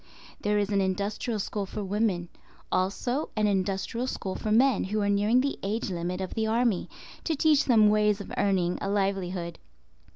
There is an industrial school for women; also an industrial school for men who are nearing the age limit of the army, to teach them ways of earning a livelihood.